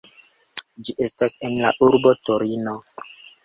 Ĝi estas en la urbo Torino.